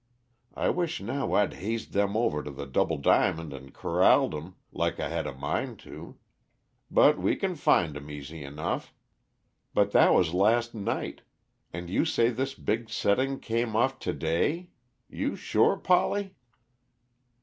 I wish now I'd hazed them over to the Double Diamond and corralled 'em, like I had a mind to. But we can find them, easy enough. But that was last night, and you say this big setting came off to day; you sure, Polly?"